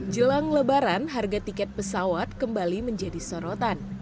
jelang lebaran harga tiket pesawat kembali menjadi sorotan